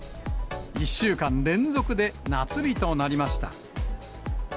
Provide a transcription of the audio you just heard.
１週間連続で夏日となりました。